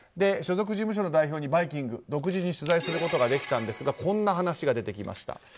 所属事務所の代表に「バイキング」、独自に取材することができたんですがこんな話が出てきました。